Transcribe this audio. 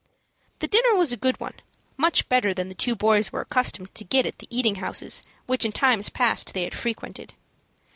The dinner was a good one, much better than the two boys were accustomed to get at the eating houses which in times past they had frequented.